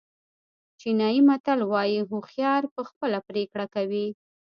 چینایي متل وایي هوښیار په خپله پرېکړه کوي.